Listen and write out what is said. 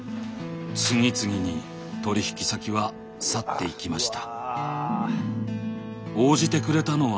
次々に取引先は去っていきました。